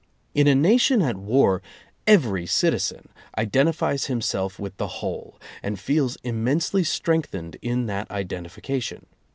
In a nation at war, every citizen identifies himself with the whole, and feels immensely strengthened in that identification.